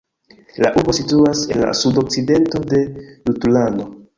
La urbo situas en la sudokcidento de Jutlando.